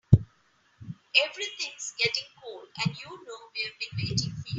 Everything's getting cold and you know we've been waiting for you.